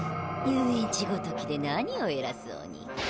遊園地ごときで何をえらそうに。